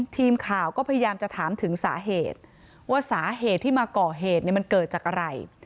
ทีมข่าวก็พยายามจะถามถึงสาเหตุว่าสาเหตุที่มาก่อเหตุมันเกิดจากอะไร